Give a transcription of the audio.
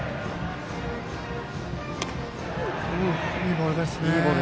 いいボールですね。